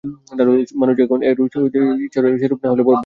মানুষ এখন যেরূপ অবস্থায় আছে, ঈশ্বরেচ্ছায় সেরূপ না হইলে বড় ভাল হইত।